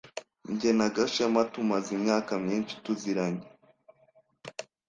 Jye na Gashema tumaze imyaka myinshi tuziranye.